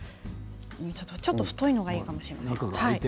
太いのがいいかもしれません。